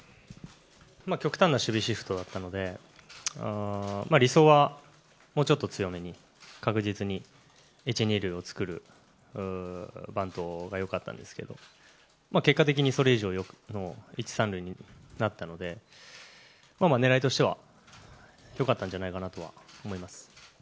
極端な守備シフトだったので理想はもうちょっと強めに確実に１、２塁を作るバントがよかったんですけど結果的にそれ以上の１、３塁になったので狙いとしてはよかったんじゃないかなとは思います。